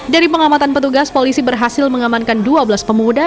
dari pengamatan petugas polisi berhasil mengamankan dua belas pemuda